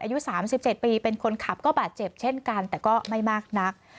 อายุ๓๗ปีเป็นคนขับก็บาดเจ็บเช่นกันแต่ก็ไม่มากนัก